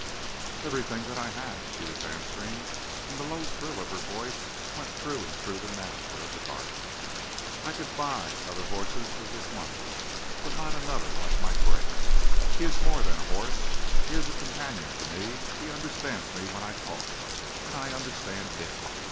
"Everything that I have," she was answering, and the low thrill of her voice went through and through the master of the Garden. "I could buy other horses with this money, but not another like my gray. He is more than a horse. He is a companion to me. He understands me when I talk, and I understand him.